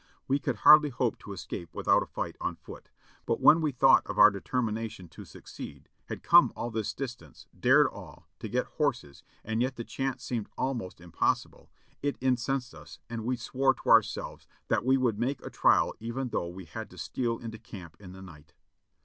We could hardly hope to escape without a fight on foot; but when we thought of our determination to succeed — had come all this distance — dared all — to get horses, and yet the chance seemed almost impossible, it incensed us and we swore to ourselves that we would make a trial even though we had to steal into the camp in the night.